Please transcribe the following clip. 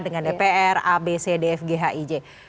dengan dpr abc dfg hij